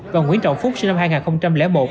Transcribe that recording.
và nguyễn trọng phúc sinh năm hai nghìn một